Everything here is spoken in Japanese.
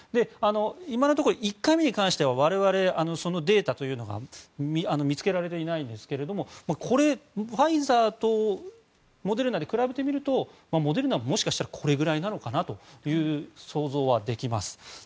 今のところ１回目に関しては我々、データを見つけられていませんがファイザーとモデルナで比べてみるとモデルナも、もしかしたらこれぐらいなのかなという想像はできます。